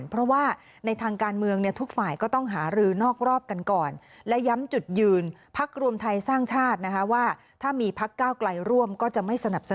ผมว่ารัฐบาลเสียข้างน้อยคงไม่มีครับ